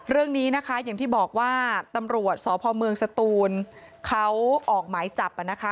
เรื่องนี้นะคะอย่างที่บอกว่าตำรวจสพเมืองสตูนเขาออกหมายจับนะคะ